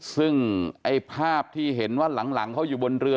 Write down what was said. ซึ่งไอ้ภาพที่เห็นว่าหลังเขาอยู่บนเรือ